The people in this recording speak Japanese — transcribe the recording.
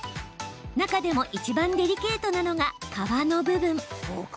中でもいちばんデリケートなのが革の部分。